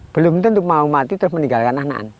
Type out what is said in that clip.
belum tentu mau mati terus meninggalkan anaan